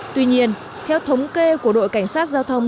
tuy nhiên theo thống kê của đội cảnh sát giao thông